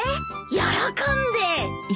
喜んで！